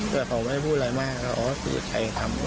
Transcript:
เพราะเขาไม่ได้พูดอะไรมากเขาก็สุดใจทำ